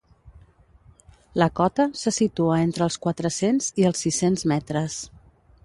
La cota se situa entre els quatre-cents i els sis-cents metres.